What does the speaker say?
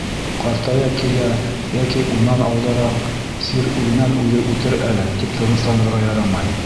Ҡартая килә йәки унан алдараҡ сир үҙенән-үҙе үтер әле, тип тынысланырға ярамай.